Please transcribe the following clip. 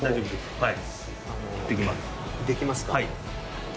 はい。